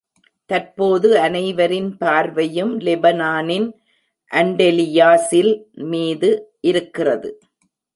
தற்போது அனைவரின் பார்வையும் லெபனானின் அன்டெலியாஸில் மீது இருக்கிறது.